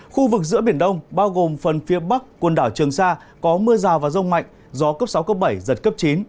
khu vực giữa biển đông bao gồm phần phía bắc quần đảo trường sa có mưa rào và rông mạnh gió cấp sáu cấp bảy giật cấp chín